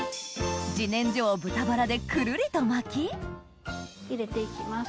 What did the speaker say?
自然薯を豚バラでくるりと巻き入れて行きます。